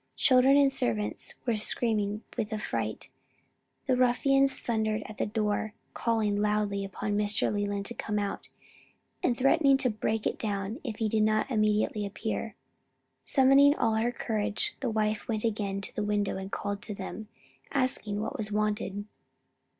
Children and servants were screaming with affright, the ruffians thundering at the front door, calling loudly upon Mr. Leland to come out, and threatening to break it down if he did not immediately appear. Summoning all her courage, the wife went again to the window and called to them, asking what was wanted.